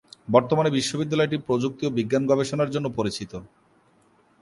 বর্তমানে বিশ্ববিদ্যালয়টি প্রযুক্তি ও বিজ্ঞান গবেষণার জন্য পরিচিত।